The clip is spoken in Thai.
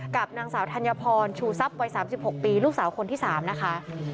กับนางสาวธัญพรชูทรัพย์วัย๓๖ปีลูกสาวคนที่๓นะคะ